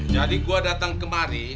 jadi gua datang kemari